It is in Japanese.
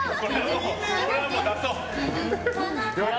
これはもう出そう。